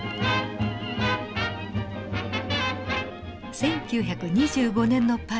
１９２５年のパリ。